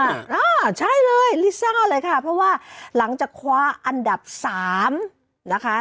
อ่าใช่เลยลิซ่าเลยค่ะเพราะว่าหลังจากคว้าอันดับสามนะคะ